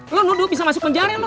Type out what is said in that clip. lo nuduh bisa masuk penjara